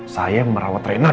saya merawat rena dari pagi